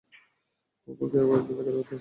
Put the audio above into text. প্রভু, কেউ একজন দেখা করতে এসেছেন।